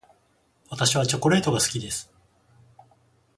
私はチョコレートが好きです。